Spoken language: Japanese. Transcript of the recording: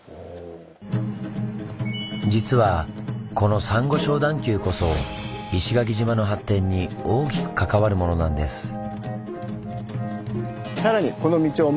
実はこのサンゴ礁段丘こそ石垣島の発展に大きく関わるものなんです。